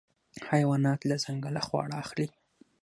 حیوانات له ځنګله خواړه اخلي.